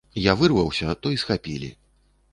Я вырываўся, то і схапілі.